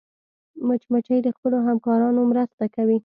مچمچۍ د خپلو همکارانو مرسته کوي